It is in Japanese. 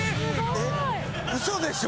えっウソでしょ。